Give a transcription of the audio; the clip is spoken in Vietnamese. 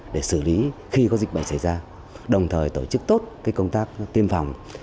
để xử lý khi có dịch bệnh xảy ra đồng thời tổ chức tốt công tác tiêm phòng